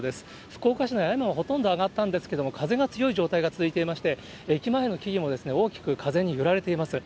福岡市内、雨はほとんど上がったんですけれども、風が強い状態が続いていまして、駅前の木々も、大きく風に揺られています。